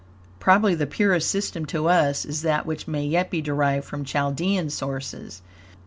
Probably the purest system to us is that which may yet be derived from Chaldean sources.